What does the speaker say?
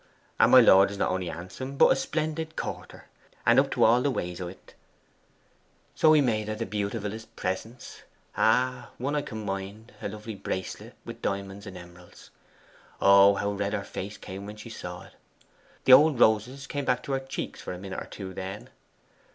And my lord is not only handsome, but a splendid courter, and up to all the ways o't. So he made her the beautifullest presents; ah, one I can mind a lovely bracelet, with diamonds and emeralds. Oh, how red her face came when she saw it! The old roses came back to her cheeks for a minute or two then.